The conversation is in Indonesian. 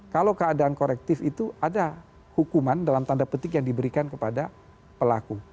kalau keadaan korektif itu ada hukuman dalam tanda petik yang diberikan kepada pelaku